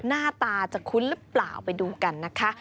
หน้าตาจะคุ้นหรือเปล่าไปดูกันนะคะ